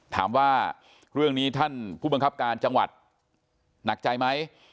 ถามว่าเรื่องนี้ท่านผู้บังคับการจังหวัดหนักใจไหม